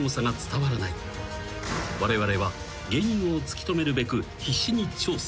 ［われわれは原因を突き止めるべく必死に調査］